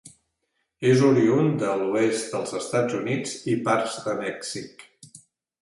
És oriünd de l'oest dels Estats Units i parts de Mèxic.